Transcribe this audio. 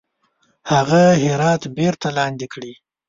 هغه هرات بیرته لاندي کړي.